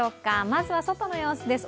まずは外の様子です。